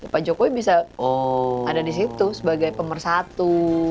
pak jokowi bisa ada di situ sebagai pemersatu